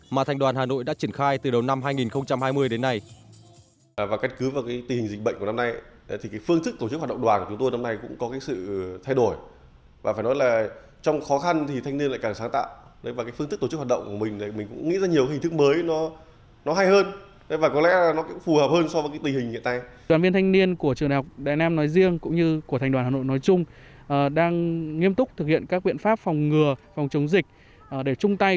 mà thành đoàn hà nội đã triển khai từ đầu năm hai nghìn hai mươi đến nay